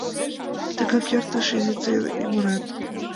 Тыгак эртыш изи тыйын ӱмырет.